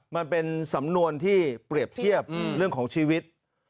มันเป็นสำนวนที่เปรียบเทียบเรื่องของชีวิต